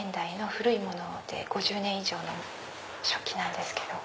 古いもので５０年以上の食器なんです。